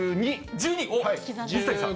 １２？水谷さん。